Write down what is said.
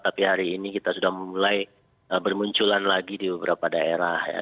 tapi hari ini kita sudah mulai bermunculan lagi di beberapa daerah ya